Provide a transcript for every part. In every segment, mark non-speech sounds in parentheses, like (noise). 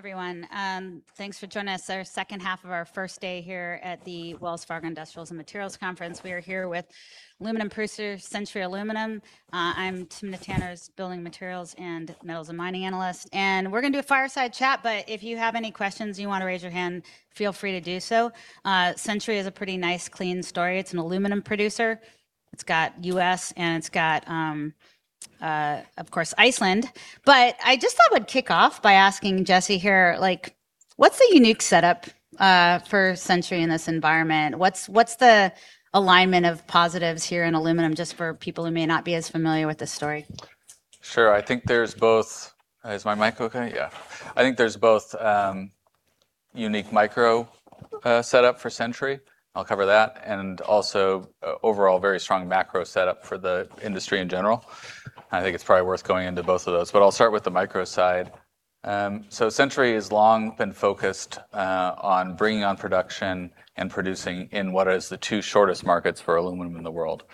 Everyone. Thanks for joining us. Our second half of our first day here at the Wells Fargo Industrials and Materials Conference. We are here with aluminum producer, Century Aluminum. I'm Timna Tanners Building Materials and Metals and Mining analyst. We're going to do a fireside chat. If you have any questions, you want to raise your hand, feel free to do so. Century is a pretty nice clean story. It's an aluminum producer. It's got U.S., it's got, of course, Iceland. I just thought I would kick off by asking Jesse here, what's the unique setup for Century in this environment? What's the alignment of positives here in aluminum just for people who may not be as familiar with this story? Sure. Is my mic okay? Yeah. I think there's both unique micro setup for Century. I'll cover that. Also, overall, very strong macro setup for the industry in general. I think it's probably worth going into both of those. I'll start with the micro side. Century has long been focused on bringing on production and producing in what is the two shortest markets for aluminum in the world.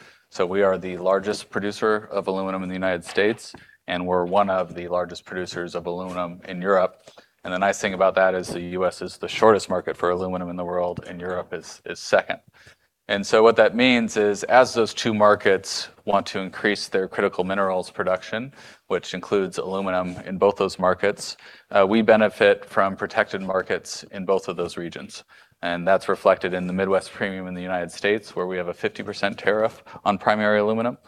We are the largest producer of aluminum in the United States. We're one of the largest producers of aluminum in Europe. The nice thing about that is the U.S. is the shortest market for aluminum in the world. Europe is second. What that means is, as those two markets want to increase their critical minerals production, which includes aluminum in both those markets, we benefit from protected markets in both of those regions. That's reflected in the Midwest premium in the United States, where we have a 50% tariff on primary aluminum.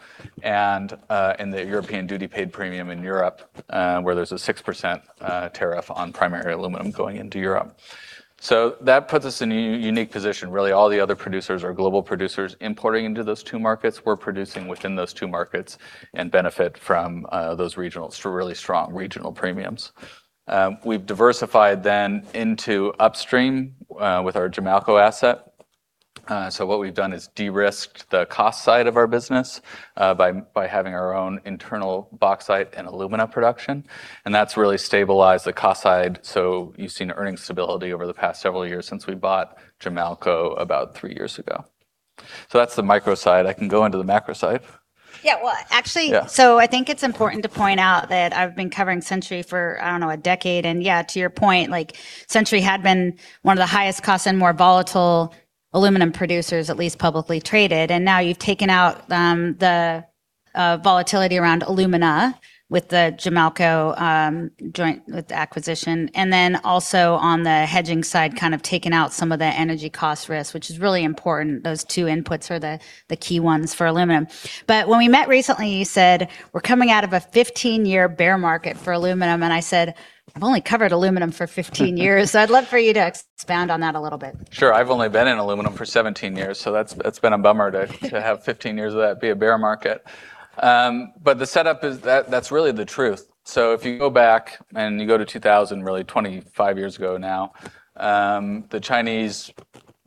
In the European duty paid premium in Europe, there's a 6% tariff on primary aluminum going into Europe. That puts us in a unique position, really. All the other producers are global producers importing into those two markets. We're producing within those two markets and benefit from those really strong regional premiums. We've diversified then into upstream, with our Jamalco asset. What we've done is de-risked the cost side of our business by having our own internal bauxite and alumina production. That's really stabilized the cost side. You've seen earnings stability over the past several years since we bought Jamalco about three years ago. That's the micro side. I can go into the macro side. Yeah. Well, actually. Yeah I think it's important to point out that I've been covering Century Aluminum for, I don't know, a decade, yeah, to your point, Century Aluminum had been one of the highest cost and more volatile aluminum producers, at least publicly traded. Now you've taken out the volatility around alumina with the Jamalco joint acquisition. Then also on the hedging side, kind of taken out some of the energy cost risk, which is really important. Those two inputs are the key ones for aluminum. When we met recently, you said, "We're coming out of a 15-year bear market for aluminum." I said, "I've only covered aluminum for 15 years." I'd love for you to expound on that a little bit. Sure. I've only been in aluminum for 17 years, that's been a bummer to have 15 years of that be a bear market. The setup is that's really the truth. If you go back and you go to 2000, really 25 years ago now, the Chinese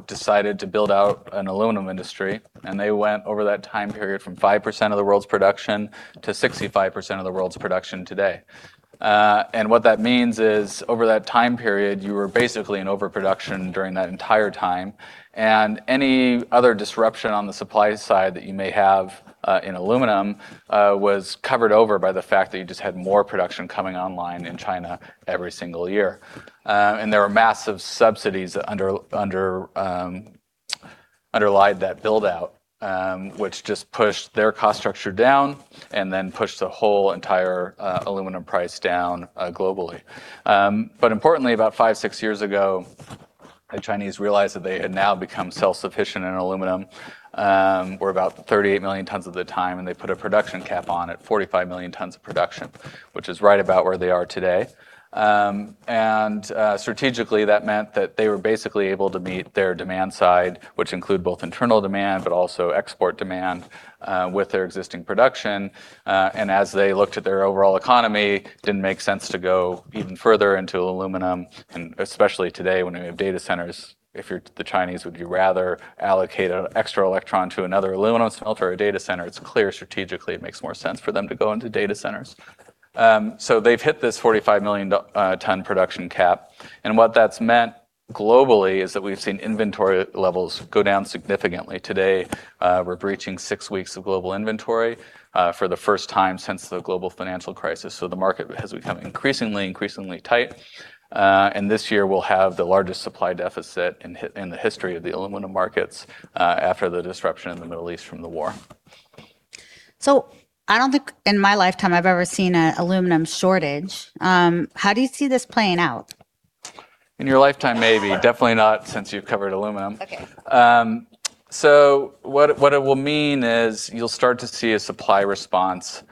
decided to build out an aluminum industry, they went over that time period from 5% of the world's production to 65% of the world's production today. What that means is, over that time period, you were basically in overproduction during that entire time, any other disruption on the supply side that you may have, in aluminum, was covered over by the fact that you just had more production coming online in China every single year. There were massive subsidies that underlied that build-out, which just pushed their cost structure down, then pushed the whole entire aluminum price down globally. Importantly, about five, six years ago, the Chinese realized that they had now become self-sufficient in aluminum. We're about 38 million tons at the time, they put a production cap on it, 45 million tons of production, which is right about where they are today. Strategically, that meant that they were basically able to meet their demand side, which include both internal demand, also export demand, with their existing production. As they looked at their overall economy, didn't make sense to go even further into aluminum. Especially today when we have data centers. If you're the Chinese, would you rather allocate an extra electron to another aluminum smelter or a data center? It's clear strategically it makes more sense for them to go into data centers. They've hit this 45-million-ton production cap, what that's meant globally is that we've seen inventory levels go down significantly. Today, we're breaching six weeks of global inventory, for the first time since the global financial crisis. The market has become increasingly tight. This year, we'll have the largest supply deficit in the history of the aluminum markets, after the disruption in the Middle East from the war. I don't think in my lifetime I've ever seen an aluminum shortage. How do you see this playing out? In your lifetime, maybe. Definitely not since you've covered aluminum. Okay. What it will mean is you'll start to see a supply response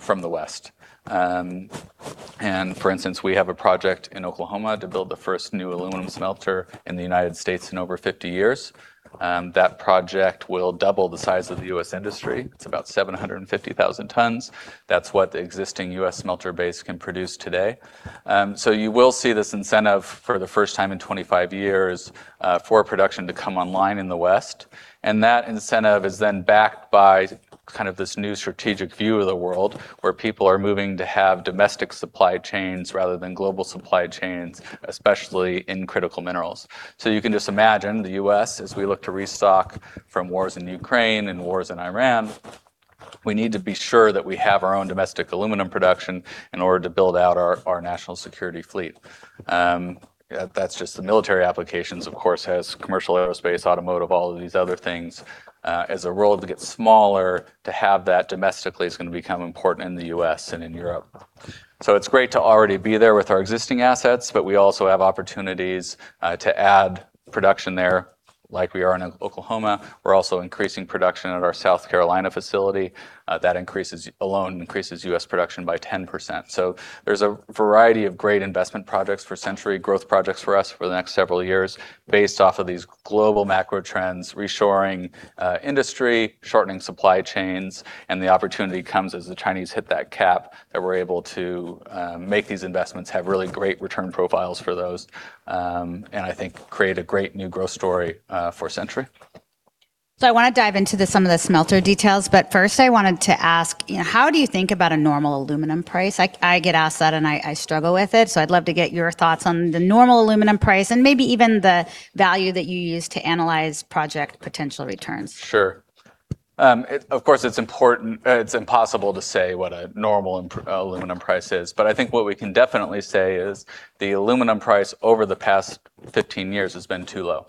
from the West. For instance, we have a project in Oklahoma to build the first new aluminum smelter in the United States in over 50 years. That project will double the size of the U.S. industry. It's about 750,000 tons. That's what the existing U.S. smelter base can produce today. You will see this incentive for the first time in 25 years, for production to come online in the West. That incentive is then backed by kind of this new strategic view of the world where people are moving to have domestic supply chains rather than global supply chains, especially in critical minerals. You can just imagine the U.S., as we look to restock from wars in Ukraine and wars in Iran. We need to be sure that we have our own domestic aluminum production in order to build out our national security fleet. That's just the military applications. Of course, has commercial, aerospace, automotive, all of these other things. As the world gets smaller, to have that domestically is going to become important in the U.S. and in Europe. It's great to already be there with our existing assets, but we also have opportunities to add production there like we are in Oklahoma. We're also increasing production at our South Carolina facility. That alone increases U.S. production by 10%. There's a variety of great investment projects for Century growth projects for us for the next several years based off of these global macro trends, reshoring industry, shortening supply chains, and the opportunity comes as the Chinese hit that cap that we're able to make these investments have really great return profiles for those, and I think create a great new growth story for Century. I want to dive into some of the smelter details, but first I wanted to ask, how do you think about a normal aluminum price? I get asked that and I struggle with it, so I'd love to get your thoughts on the normal aluminum price and maybe even the value that you use to analyze project potential returns. Sure. Of course, it's impossible to say what a normal aluminum price is, but I think what we can definitely say is the aluminum price over the past 15 years has been too low.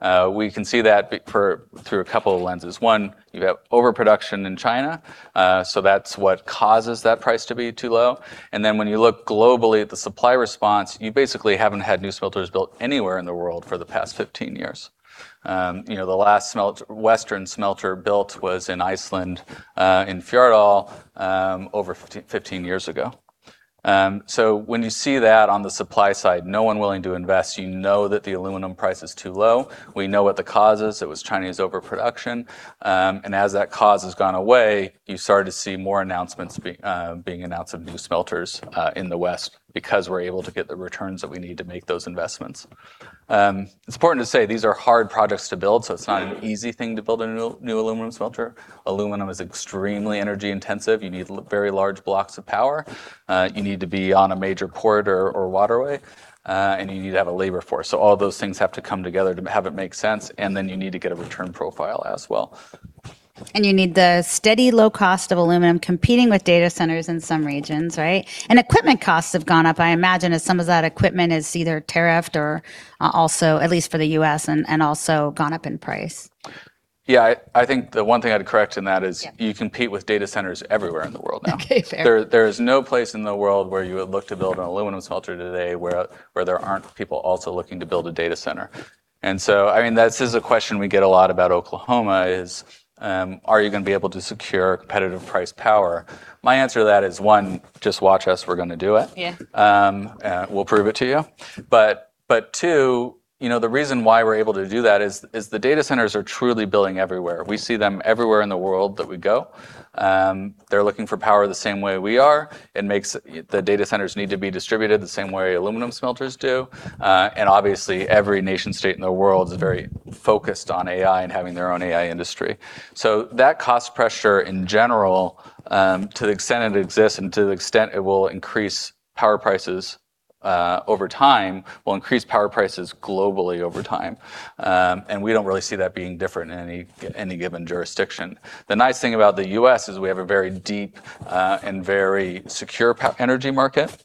We can see that through a couple of lenses. One, you have overproduction in China, that's what causes that price to be too low. When you look globally at the supply response, you basically haven't had new smelters built anywhere in the world for the past 15 years. The last Western smelter built was in Iceland, in Fjarðaál, over 15 years ago. When you see that on the supply side, no one willing to invest, you know that the aluminum price is too low. We know what the cause is. It was Chinese overproduction. As that cause has gone away, you started to see more announcements being announced of new smelters in the West because we're able to get the returns that we need to make those investments. It's important to say these are hard projects to build, so it's not an easy thing to build a new aluminum smelter. Aluminum is extremely energy intensive. You need very large blocks of power. You need to be on a major port or waterway, and you need to have a labor force. All those things have to come together to have it make sense, and then you need to get a return profile as well. You need the steady low cost of aluminum competing with data centers in some regions, right? Equipment costs have gone up, I imagine, as some of that equipment is either tariffed or also, at least for the U.S., and also gone up in price. Yeah. I think the one thing I'd correct in that. Yeah You compete with data centers everywhere in the world now. Okay, fair. There is no place in the world where you would look to build an aluminum smelter today where there aren't people also looking to build a data center. This is a question we get a lot about Oklahoma is, are you going to be able to secure competitive price power? My answer to that is, one, just watch us. We're going to do it. Yeah. We'll prove it to you. Two, the reason why we're able to do that is the data centers are truly building everywhere. We see them everywhere in the world that we go. They're looking for power the same way we are. The data centers need to be distributed the same way aluminum smelters do. Obviously, every nation state in the world is very focused on AI and having their own AI industry. That cost pressure, in general, to the extent it exists and to the extent it will increase power prices over time, will increase power prices globally over time. We don't really see that being different in any given jurisdiction. The nice thing about the U.S. is we have a very deep and very secure power energy market.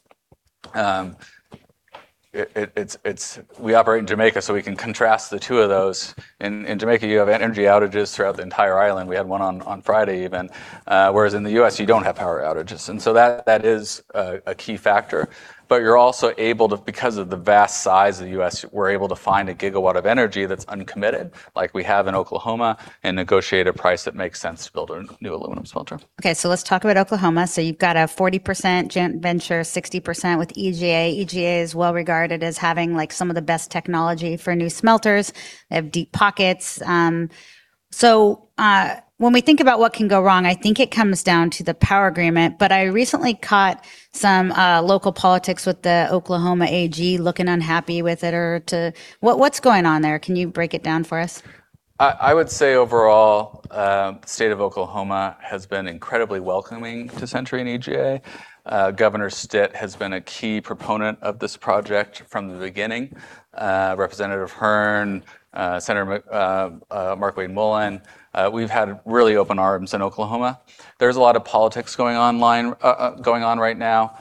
We operate in Jamaica, so we can contrast the two of those. In Jamaica, you have energy outages throughout the entire island. We had one on Friday even. Whereas in the U.S., you don't have power outages. That is a key factor. You're also able to, because of the vast size of the U.S., we're able to find a gigawatt of energy that's uncommitted like we have in Oklahoma, and negotiate a price that makes sense to build a new aluminum smelter. Let's talk about Oklahoma. You've got a 40% joint venture, 60% with EGA. EGA is well-regarded as having some of the best technology for new smelters. They have deep pockets. When we think about what can go wrong, I think it comes down to the power agreement. I recently caught some local politics with the Oklahoma AG looking unhappy with it. What's going on there? Can you break it down for us? I would say overall, the state of Oklahoma has been incredibly welcoming to Century and EGA. Governor Stitt has been a key proponent of this project from the beginning. Representative Hern, Senator Markwayne Mullin, we've had really open arms in Oklahoma. There's a lot of politics going on right now.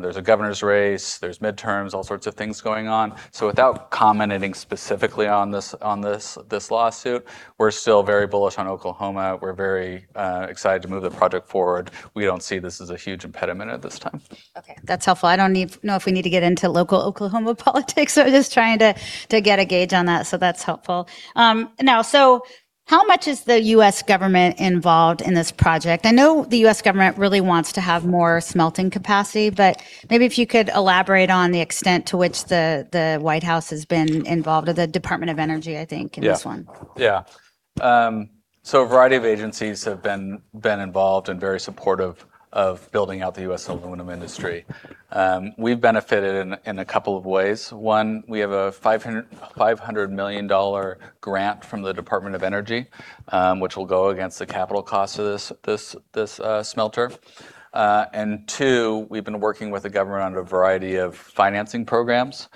There's a governor's race, there's midterms, all sorts of things going on. Without commenting specifically on this lawsuit, we're still very bullish on Oklahoma. We're very excited to move the project forward. We don't see this as a huge impediment at this time. Okay. That's helpful. I don't know if we need to get into local Oklahoma politics. I was just trying to get a gauge on that, so that's helpful. How much is the U.S. government involved in this project? I know the U.S. government really wants to have more smelting capacity, but maybe if you could elaborate on the extent to which the White House has been involved, or the Department of Energy, I think, in this one. Yeah. A variety of agencies have been involved and very supportive of building out the U.S. aluminum industry. We've benefited in a couple of ways. One, we have a $500 million grant from the Department of Energy, which will go against the capital cost of this smelter. Two, we've been working with the government on a variety of financing programs,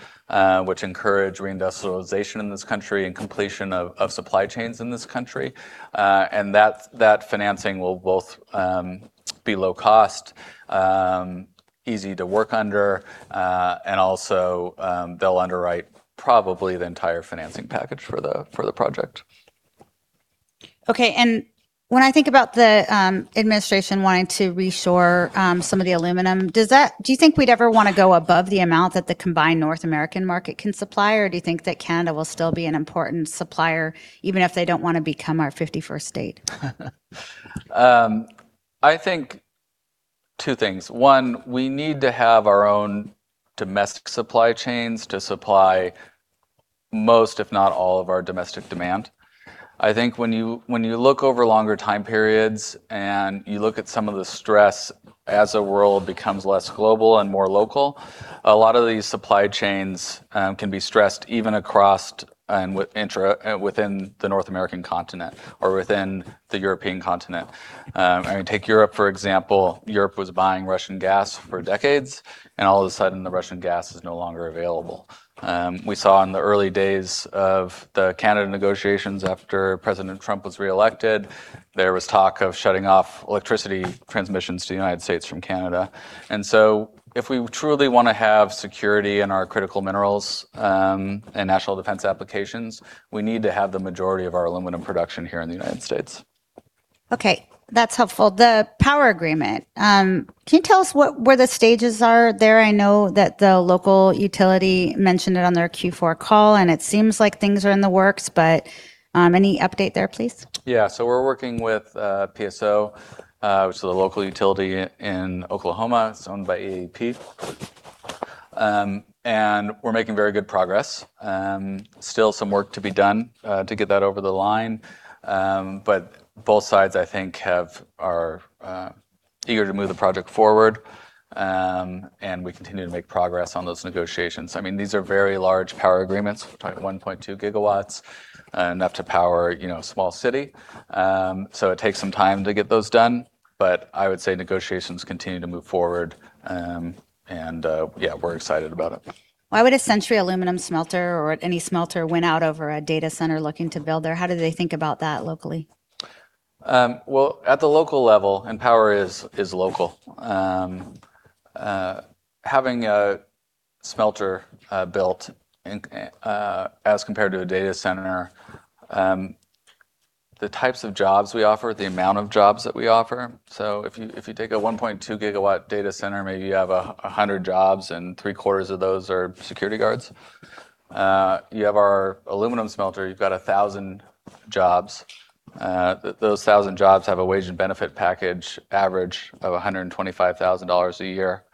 which encourage reindustrialization in this country and completion of supply chains in this country. That financing will both be low cost, easy to work under, and also, they'll underwrite probably the entire financing package for the project. Okay. When I think about the administration wanting to reshore some of the aluminum, do you think we'd ever want to go above the amount that the combined North American market can supply, or do you think that Canada will still be an important supplier even if they don't want to become our 51st state? I think two things. One, we need to have our own domestic supply chains to supply most, if not all, of our domestic demand. I think when you look over longer time periods and you look at some of the stress as the world becomes less global and more local, a lot of these supply chains can be stressed even across and within the North American continent or within the European continent. Take Europe, for example. Europe was buying Russian gas for decades, all of a sudden, the Russian gas is no longer available. We saw in the early days of the Canada negotiations after President Trump was reelected, there was talk of shutting off electricity transmissions to the United States from Canada. If we truly want to have security in our critical minerals and national defense applications, we need to have the majority of our aluminum production here in the United States. Okay. That's helpful. The power agreement. Can you tell us where the stages are there? I know that the local utility mentioned it on their Q4 call, it seems like things are in the works, any update there, please? Yeah. We're working with PSO, which is the local utility in Oklahoma. It's owned by AEP. We're making very good progress. Still some work to be done to get that over the line. Both sides, I think, are eager to move the project forward. We continue to make progress on those negotiations. These are very large power agreements. We're talking 1.2 GW, enough to power a small city. It takes some time to get those done, I would say negotiations continue to move forward. Yeah, we're excited about it. Why would a Century Aluminum smelter or any smelter win out over a data center looking to build there? How do they think about that locally? Well, at the local level, power is local. Having a smelter built in as compared to a data center, the types of jobs we offer, the amount of jobs that we offer. If you take a 1.2 GW data center, maybe you have 100 jobs, and three-quarters of those are security guards. You have our aluminum smelter, you've got 1,000 jobs. Those 1,000 jobs have a wage and benefit package average of $125,000 a year.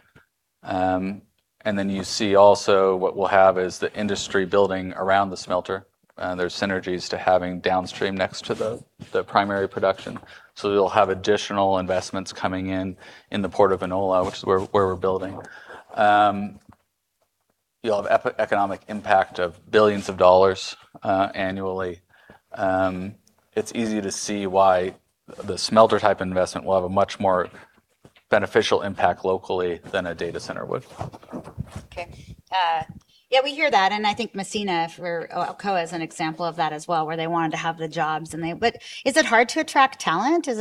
You see also what we'll have is the industry building around the smelter, and there's synergies to having downstream next to the primary production. You'll have additional investments coming in in the Port of Inola, which is where we're building. You'll have economic impact of billions of dollars annually. It's easy to see why the smelter-type investment will have a much more beneficial impact locally than a data center would. Okay. Yeah, I think Massena for Alcoa is an example of that as well, where they wanted to have the jobs. Is it hard to attract talent? Is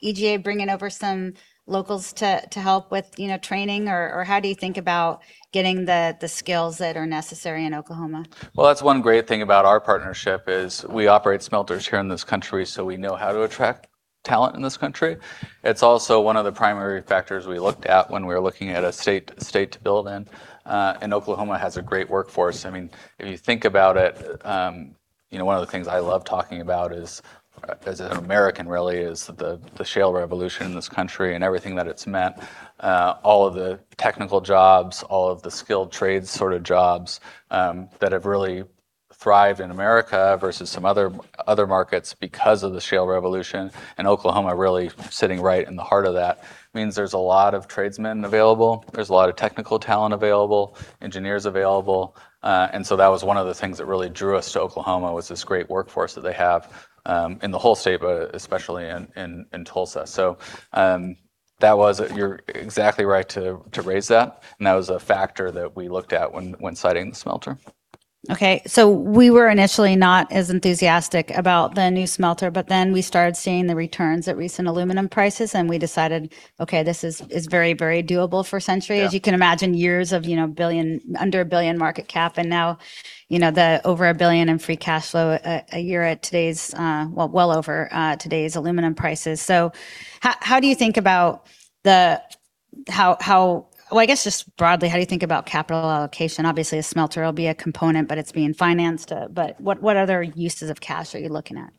EGA bringing over some locals to help with training, or how do you think about getting the skills that are necessary in Oklahoma? Well, that's one great thing about our partnership is we operate smelters here in this country. We know how to attract talent in this country. It's also one of the primary factors we looked at when we were looking at a state to build in. Oklahoma has a great workforce. If you think about it, one of the things I love talking about as an American really is the shale revolution in this country and everything that it's meant. All of the technical jobs, all of the skilled trades sort of jobs, that have really thrived in America versus some other markets because of the shale revolution. Oklahoma really sitting right in the heart of that means there's a lot of tradesmen available, there's a lot of technical talent available, engineers available. That was one of the things that really drew us to Oklahoma was this great workforce that they have in the whole state, but especially in Tulsa. You're exactly right to raise that, and that was a factor that we looked at when siting the smelter. We were initially not as enthusiastic about the new smelter, but then we started seeing the returns at recent aluminum prices, and we decided, okay, this is very doable for Century. Yeah. As you can imagine, years of under a $1 billion market cap, and now, over $1 billion in free cash flow a year at well over today's aluminum prices. How do you think about, I guess, just broadly, how do you think about capital allocation? Obviously, a smelter will be a component, but it's being financed. What other uses of cash are you looking at?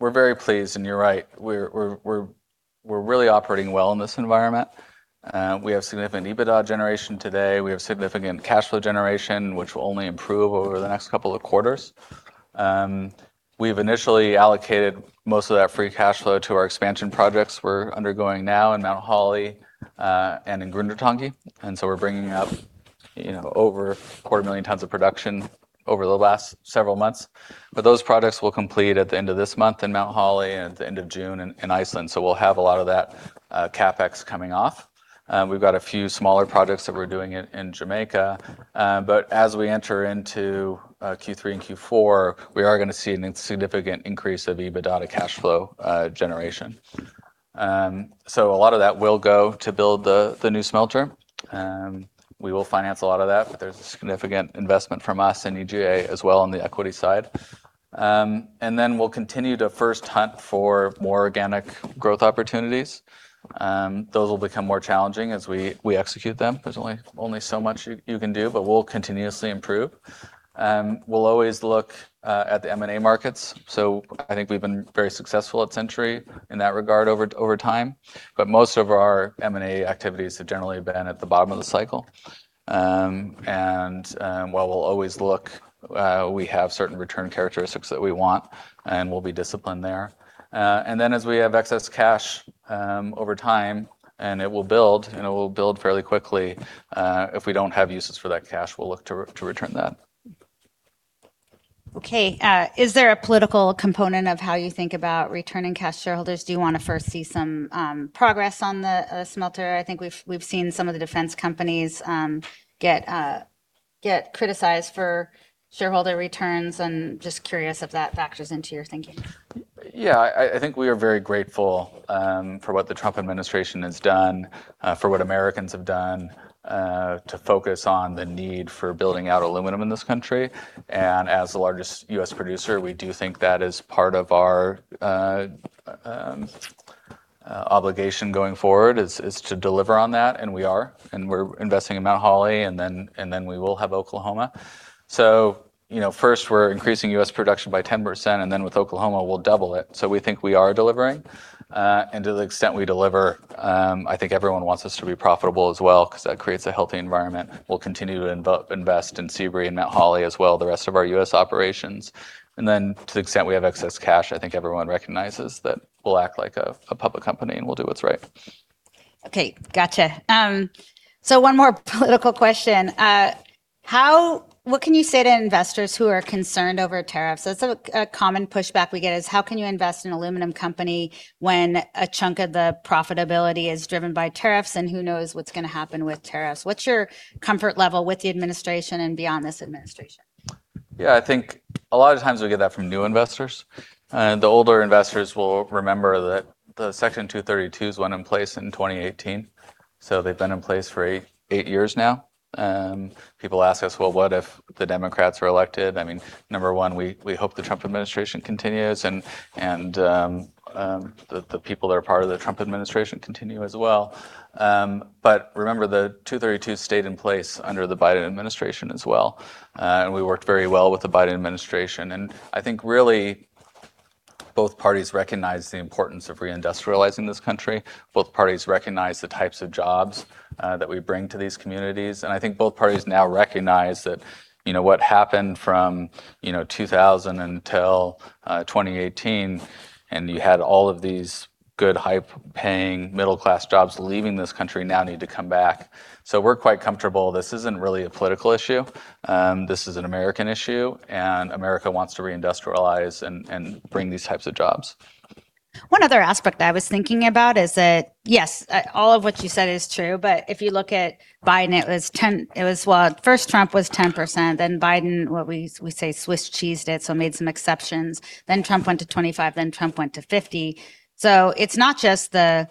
We're very pleased, and you're right. We're really operating well in this environment. We have significant EBITDA generation today. We have significant cash flow generation, which will only improve over the next couple of quarters. We've initially allocated most of that free cash flow to our expansion projects we're undergoing now in Mount Holly, and in Grundartangi. We're bringing up over a quarter of a million tons of production over the last several months. Those projects will complete at the end of this month in Mount Holly and at the end of June in Iceland. We'll have a lot of that CapEx coming off. We've got a few smaller projects that we're doing in Jamaica. As we enter into Q3 and Q4, we are going to see a significant increase of EBITDA to cash flow generation. A lot of that will go to build the new smelter. We will finance a lot of that, but there's a significant investment from us and EGA as well on the equity side. We'll continue to first hunt for more organic growth opportunities. Those will become more challenging as we execute them. There's only so much you can do, but we'll continuously improve. We'll always look at the M&A markets. I think we've been very successful at Century in that regard over time. Most of our M&A activities have generally been at the bottom of the cycle. While we'll always look, we have certain return characteristics that we want, and we'll be disciplined there. As we have excess cash over time, and it will build, and it will build fairly quickly, if we don't have uses for that cash, we'll look to return that. Okay. Is there a political component of how you think about returning cash to shareholders? Do you want to first see some progress on the smelter? I think we've seen some of the defense companies get criticized for shareholder returns. I'm just curious if that factors into your thinking. Yeah, I think we are very grateful for what the Trump administration has done, for what Americans have done, to focus on the need for building out aluminum in this country. As the largest U.S. producer, we do think that is part of our obligation going forward, is to deliver on that, and we are. We're investing in Mount Holly, we will have Oklahoma. First we're increasing U.S. production by 10%, and then with Oklahoma, we'll double it. We think we are delivering. To the extent we deliver, I think everyone wants us to be profitable as well, because that creates a healthy environment. We'll continue to invest in Sebree and Mount Holly as well, the rest of our U.S. operations. To the extent we have excess cash, I think everyone recognizes that we'll act like a public company and we'll do what's right. Okay. Gotcha. One more political question. What can you say to investors who are concerned over tariffs? That's a common pushback we get, is how can you invest in an aluminum company when a chunk of the profitability is driven by tariffs, and who knows what's going to happen with tariffs? What's your comfort level with the administration and beyond this administration? I think a lot of times we get that from new investors. The older investors will remember that the Section 232s went in place in 2018, so they've been in place for eight years now. People ask us, "What if the Democrats are elected?" I mean, number one, we hope the Trump administration continues, and the people that are part of the Trump administration continue as well. Remember, the 232 stayed in place under the Biden administration as well. We worked very well with the Biden administration. I think really both parties recognize the importance of reindustrializing this country. Both parties recognize the types of jobs that we bring to these communities. I think both parties now recognize that what happened from 2000 until 2018, and you had all of these good, high-paying middle-class jobs leaving this country now need to come back. We're quite comfortable. This isn't really a political issue. This is an American issue, and America wants to reindustrialize and bring these types of jobs. One other aspect I was thinking about is that, yes, all of what you said is true, but if you look at Biden, first Trump was 10%, then Biden, what we say, Swiss cheesed it, so made some exceptions. Then Trump went to 25%, then Trump went to 50%. It's not just the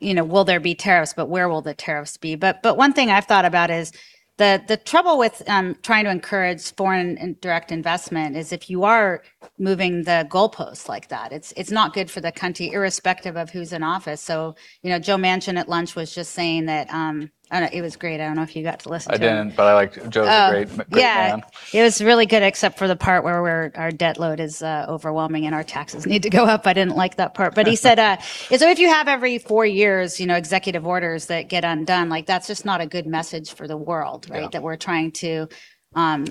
will there be tariffs, but where will the tariffs be? One thing I've thought about is the trouble with trying to encourage foreign direct investment is if you are moving the goalposts like that, it's not good for the country, irrespective of who's in office. Joe Manchin at lunch was just saying that. I don't know. It was great. I don't know if you got to listen to him. I didn't. Joe's a great man. Yeah. It was really good except for the part where our debt load is overwhelming and our taxes need to go up. I didn't like that part. He said, if you have every four years executive orders that get undone, that's just not a good message for the world, right? Yeah.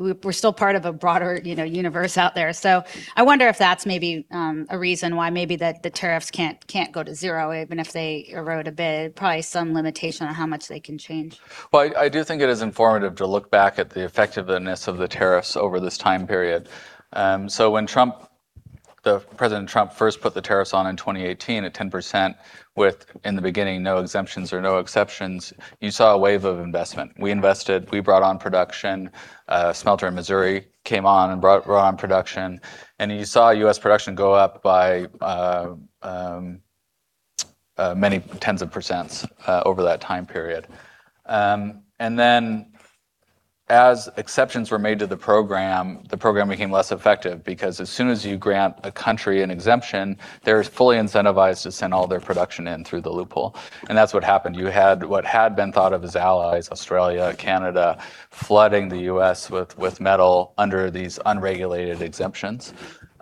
We're still part of a broader universe out there. I wonder if that's maybe a reason why maybe that the tariffs can't go to zero, even if they erode a bit. Probably some limitation on how much they can change. I do think it is informative to look back at the effectiveness of the tariffs over this time period. When President Trump first put the tariffs on in 2018 at 10%, with, in the beginning, no exemptions or no exceptions, you saw a wave of investment. We invested. We brought on production. A smelter in Missouri came on and brought on production. You saw U.S. production go up by many tens of percents over that time period. As exceptions were made to the program, the program became less effective because as soon as you grant a country an exemption, they're fully incentivized to send all their production in through the loophole, and that's what happened. You had what had been thought of as allies, Australia, Canada, flooding the U.S. with metal under these unregulated exemptions.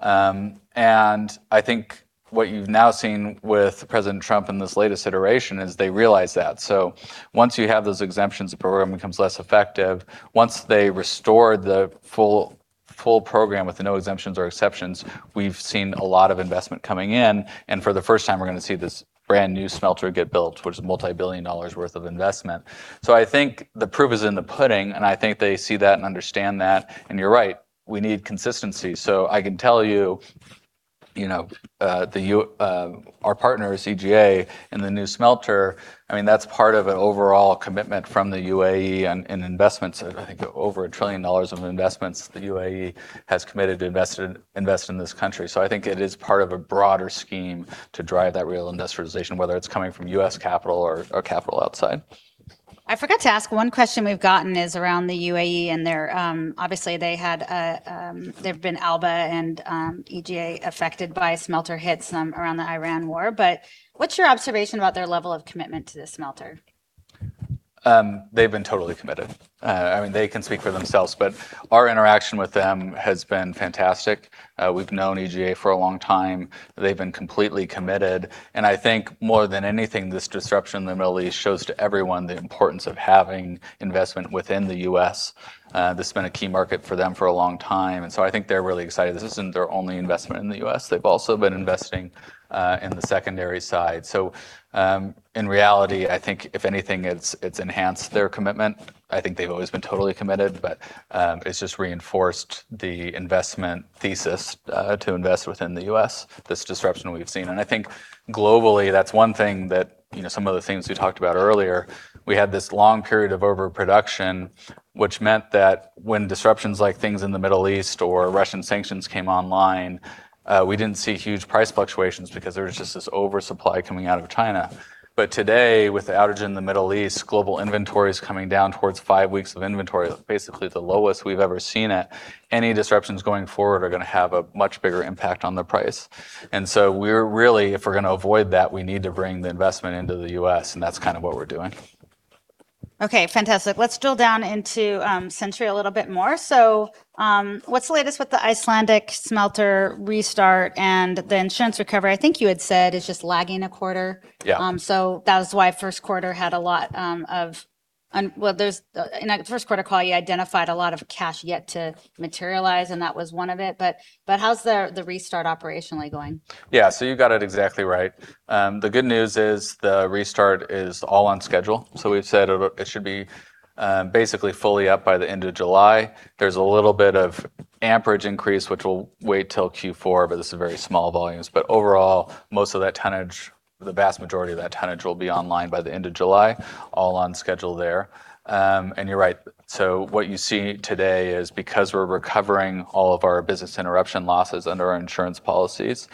I think what you've now seen with President Trump in this latest iteration is they realize that. Once you have those exemptions, the program becomes less effective. Once they restore the full program with no exemptions or exceptions, we've seen a lot of investment coming in, and for the first time, we're going to see this brand-new smelter get built, which is multi-billion dollars worth of investment. I think the proof is in the pudding, and I think they see that and understand that. You're right. We need consistency. I can tell you our partner, EGA, in the new smelter, that's part of an overall commitment from the UAE in investments of, I think, over $1 trillion of investments the UAE has committed to invest in this country. I think it is part of a broader scheme to drive that real industrialization, whether it's coming from U.S. capital or capital outside. I forgot to ask. One question we've gotten is around the UAE, and obviously they've been Alba and EGA affected by smelter hits around the Iran war. What's your observation about their level of commitment to this smelter? They've been totally committed. They can speak for themselves, but our interaction with them has been fantastic. We've known EGA for a long time. They've been completely committed. I think more than anything, this disruption in the Middle East shows to everyone the importance of having investment within the U.S. This has been a key market for them for a long time. I think they're really excited. This isn't their only investment in the U.S. They've also been investing in the secondary side. In reality, I think if anything, it's enhanced their commitment. I think they've always been totally committed, but it's just reinforced the investment thesis to invest within the U.S., this disruption we've seen. I think globally, that's one thing that, some of the things we talked about earlier, we had this long period of overproduction, which meant that when disruptions like things in the Middle East or Russian sanctions came online, we didn't see huge price fluctuations because there was just this oversupply coming out of China. Today, with the outage in the Middle East, global inventory is coming down towards five weeks of inventory, basically the lowest we've ever seen it. Any disruptions going forward are going to have a much bigger impact on the price. We're really, if we're going to avoid that, we need to bring the investment into the U.S., and that's kind of what we're doing. Okay, fantastic. Let's drill down into Century a little bit more. What's the latest with the Icelandic smelter restart and the insurance recovery? I think you had said it's just lagging a quarter. Yeah. That was why in our first quarter call, you identified a lot of cash yet to materialize, and that was one of it. How's the restart operationally going? Yeah. You got it exactly right. The good news is the restart is all on schedule. We've said it should be basically fully up by the end of July. There's a little bit of amperage increase, which will wait till Q4, but this is very small volumes. Overall, most of that tonnage, the vast majority of that tonnage will be online by the end of July, all on schedule there. You're right. What you see today is because we're recovering all of our business interruption losses under our insurance policies,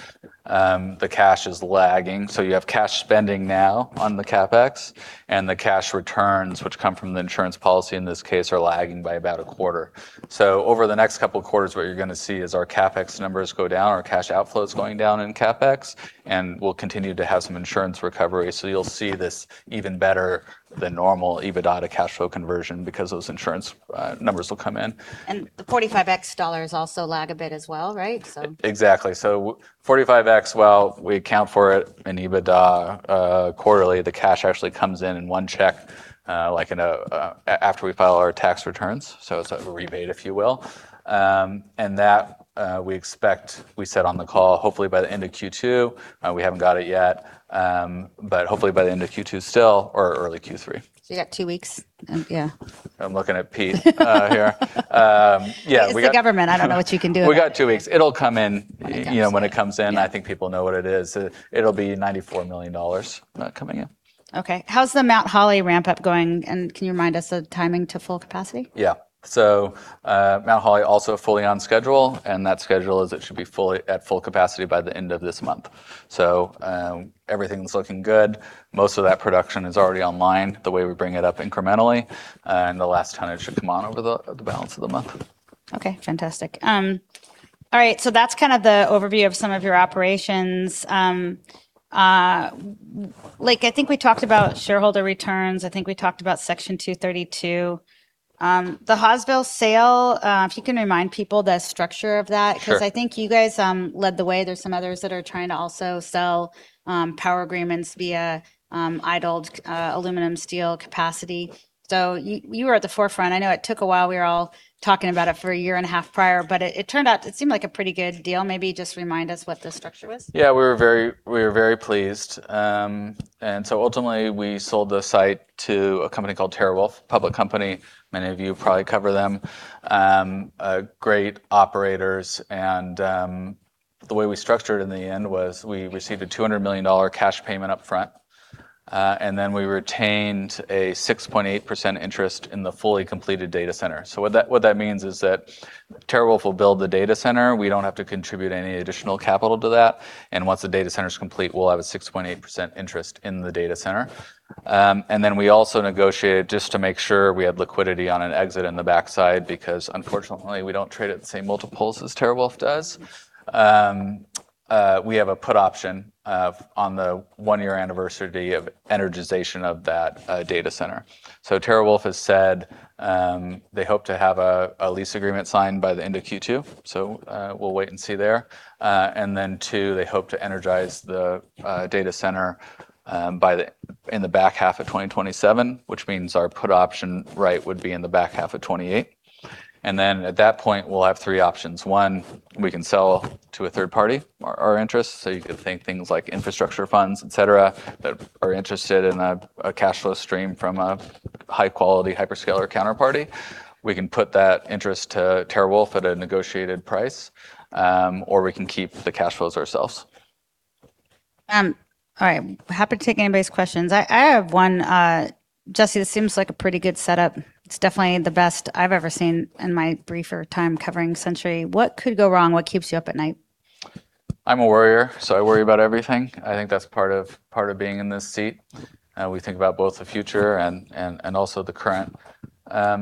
the cash is lagging. You have cash spending now on the CapEx, and the cash returns, which come from the insurance policy in this case, are lagging by about a quarter. Over the next couple of quarters, what you're going to see is our CapEx numbers go down, our cash outflow is going down in CapEx, and we'll continue to have some insurance recovery. You'll see this even better than normal EBITDA to cash flow conversion because those insurance numbers will come in. The 45x dollars also lag a bit as well, right? Exactly. 45x, well, we account for it in EBITDA quarterly. The cash actually comes in in one check, after we file our tax returns. It's a rebate, if you will. That, we expect, we said on the call, hopefully by the end of Q2. We haven't got it yet. Hopefully by the end of Q2 still or early Q3. You got two weeks. Yeah. I'm looking at Pete here. Yeah. It's the government. I don't know what you can do there. We got two weeks. It'll come in. When it comes in, yeah. When it comes in, I think people know what it is. It'll be $94 million coming in. Okay. How's the Mount Holly ramp-up going, and can you remind us the timing to full capacity? Yeah. Mount Holly also fully on schedule, and that schedule is it should be at full capacity by the end of this month. Everything's looking good. Most of that production is already online, the way we bring it up incrementally, and the last tonnage should come on over the balance of the month. Okay, fantastic. All right. That's kind of the overview of some of your operations. Okay, I think we talked about shareholder returns. I think we talked about Section 232. The Hawesville sale, if you can remind people the structure of that. Sure. I think you guys led the way. There's some others that are trying to also sell power agreements via idled aluminum, steel capacity. You were at the forefront. I know it took a while. We were all talking about it for a year and a half prior, it turned out to seem like a pretty good deal. Maybe just remind us what the structure was. Yeah, we were very pleased. Ultimately, we sold the site to a company called TeraWulf, a public company. Many of you probably cover them. Great operators, the way we structured in the end was we received a $200 million cash payment up front, then we retained a 6.8% interest in the fully completed data center. What that means is that TeraWulf will build the data center. We don't have to contribute any additional capital to that. Once the data center's complete, we'll have a 6.8% interest in the data center. We also negotiated just to make sure we had liquidity on an exit in the backside because unfortunately, we don't trade at the same multiples as TeraWulf does. We have a put option on the one-year anniversary of energization of that data center. TeraWulf has said they hope to have a lease agreement signed by the end of Q2. We'll wait and see there. Two, they hope to energize the data center in the back half of 2027, which means our put option right would be in the back half of 2028. At that point, we'll have three options. One, we can sell to a third party our interest. You could think things like infrastructure funds, et cetera, that are interested in a cash flow stream from a high-quality hyperscaler counterparty. We can put that interest to TeraWulf at a negotiated price, or we can keep the cash flows ourselves. All right. Happy to take anybody's questions. I have one. Jesse, this seems like a pretty good setup. It's definitely the best I've ever seen in my briefer time covering Century. What could go wrong? What keeps you up at night? I'm a worrier, I worry about everything. I think that's part of being in this seat. We think about both the future and also the current. I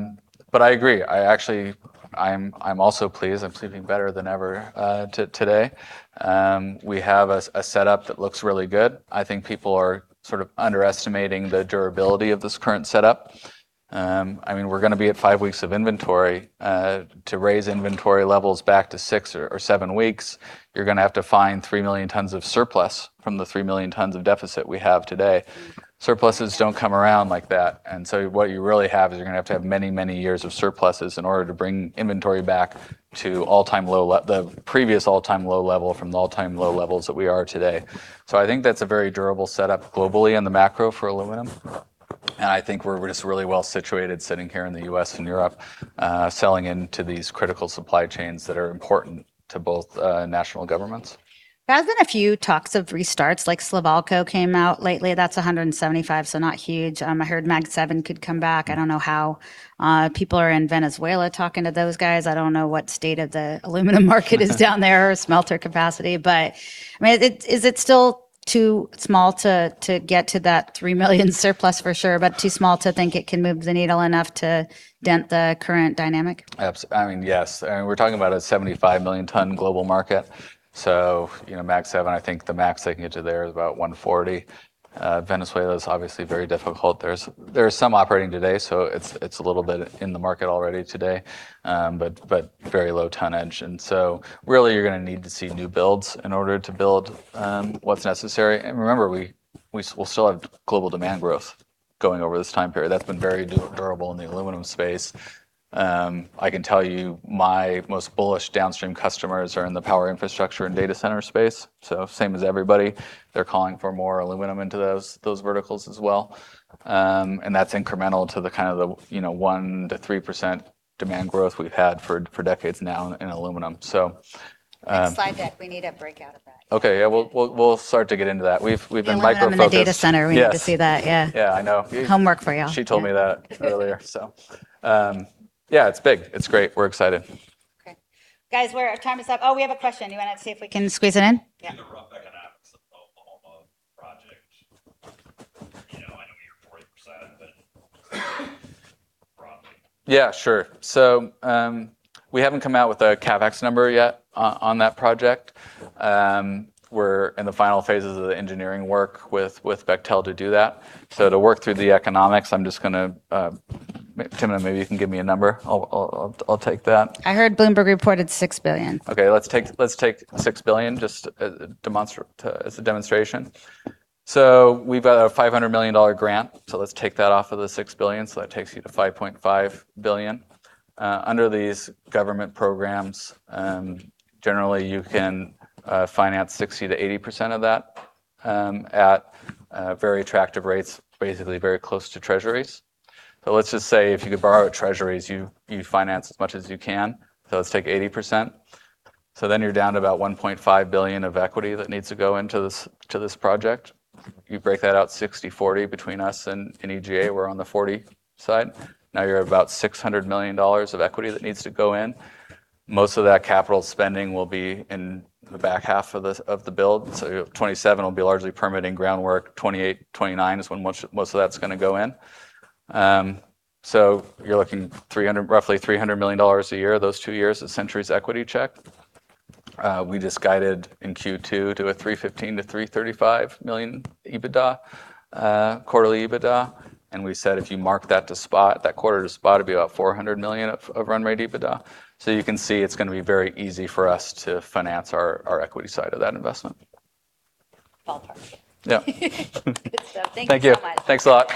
agree. I'm also pleased. I'm sleeping better than ever today. We have a setup that looks really good. I think people are sort of underestimating the durability of this current setup. We're going to be at five weeks of inventory. To raise inventory levels back to six or seven weeks, you're going to have to find three million tons of surplus from the three million tons of deficit we have today. Surpluses don't come around like that. What you really have is you're going to have to have many, many years of surpluses in order to bring inventory back to the previous all-time low level from the all-time low levels that we are today. I think that's a very durable setup globally on the macro for aluminum. I think we're just really well-situated sitting here in the U.S. and Europe, selling into these critical supply chains that are important to both national governments. There's been a few talks of restarts, like Slovalco came out lately. That's 175, so not huge. I heard MAG 7 could come back. I don't know how. People are in Venezuela talking to those guys. I don't know what state of the aluminum market is down there or smelter capacity. Is it still too small to get to that 3 million surplus for sure, but too small to think it can move the needle enough to dent the current dynamic? Yes. I mean, we're talking about a 75 million-ton global market, MAG 7, I think the max they can get to there is about 140. Venezuela is obviously very difficult. There's some operating today, it's a little bit in the market already today. Very low tonnage, really you're going to need to see new builds in order to build what's necessary. Remember, we'll still have global demand growth going over this time period. That's been very durable in the aluminum space. I can tell you my most bullish downstream customers are in the power infrastructure and data center space. Same as everybody. They're calling for more aluminum into those verticals as well, and that's incremental to the kind of the 1%-3% demand growth we've had for decades now in aluminum. Next slide deck, we need a breakout of that. Okay. Yeah. We'll start to get into that. We've been micro-focused. Aluminum in the data center. Yes. We need to see that. Yeah. Yeah, I know. Homework for y'all. She told me that earlier. Yeah, it's big. It's great. We're excited. Okay. Guys, our time is up. Oh, we have a question. You want to see if we can squeeze it in? Yeah. (audio distortion) Yeah, sure. We haven't come out with a CapEx number yet on that project. We're in the final phases of the engineering work with Bechtel to do that. To work through the economics, Timna, maybe you can give me a number. I'll take that. I heard Bloomberg reported $6 billion. Okay, let's take $6 billion just as a demonstration. We've got a $500 million grant, let's take that off of the $6 billion. That takes you to $5.5 billion. Under these government programs, generally you can finance 60%-80% of that at very attractive rates, basically very close to Treasuries. Let's just say if you could borrow at Treasuries, you finance as much as you can. Let's take 80%. You're down to about $1.5 billion of equity that needs to go into this project. You break that out 60/40 between us and EGA. We're on the 40 side. Now you're at about $600 million of equity that needs to go in. Most of that capital spending will be in the back half of the build. 2027 will be largely permitting groundwork, 2028, 2029 is when most of that's going to go in. You're looking roughly $300 million a year those two years of Century's equity check. We just guided in Q2 to a $315 million-$335 million quarterly EBITDA, and we said if you mark that quarter to spot, it'd be about $400 million of run rate EBITDA. You can see it's going to be very easy for us to finance our equity side of that investment. Ballpark figure. Yeah. Good stuff. Thank you so much. Thank you. Thanks a lot